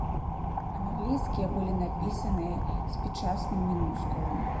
Англійскія былі напісаныя спічастым мінускулам.